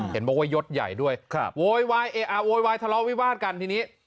เห็นบอกว่ายดใหญ่ด้วยโวยวายทะเลาะวิวาดกัน